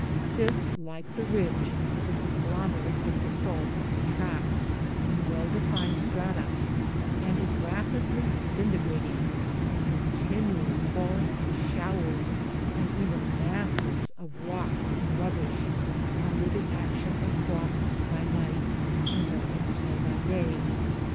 This, like the ridge, is a conglomerate of basalt and trap, in well defined strata, and is rapidly disintegrating and continually falling in showers and even masses of rocks and rubbish, under the action of frost by night and melting snow by day.